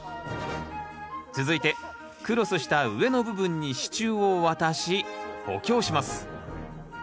続いてクロスした上の部分に支柱を渡し補強します。